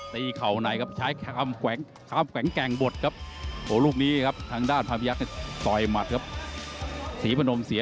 มันไม่ต่อเนื่องไปเองไอ้แดงพันภายักษ์ไง